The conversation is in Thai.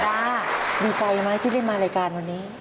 ดีใจไหมที่ได้มารายการวันนี้